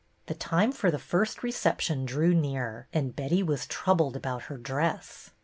The time for the first reception drew near, and Betty was troubled about her dress.